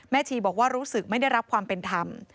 ชีบอกว่ารู้สึกไม่ได้รับความเป็นธรรม